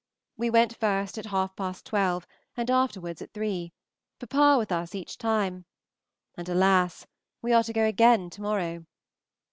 We went first at half past twelve and afterwards at three; papa with us each time; and, alas! we are to go again to morrow.